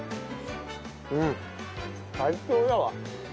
うん最高だわ。